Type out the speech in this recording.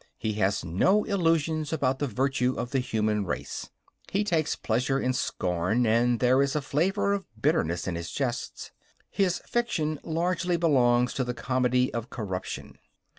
He has no illusions about the virtue of the human race. He takes pleasure in scorn, and there is a flavour of bitterness in his jests. His fiction largely belongs to the comedy of corruption.